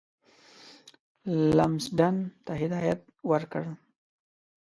لمسډن ته هدایت ورکړ.